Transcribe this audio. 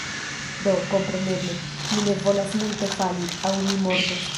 do, kompreneble, mi ne volas multe fali, aŭ mi mortos.